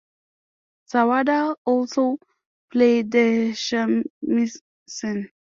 Sawada also plays the shamisen.